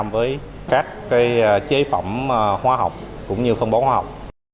một trăm linh với các cái chế phẩm khoa học cũng như phân bóng khoa học